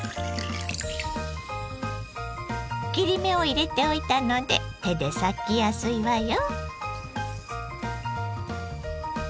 切り目を入れておいたので手で裂きやすいわよ。